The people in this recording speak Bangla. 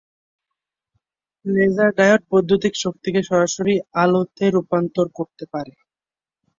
লেজার ডায়োড বৈদ্যুতিক শক্তিকে সরাসরি আলোতে রূপান্তর করতে পারে।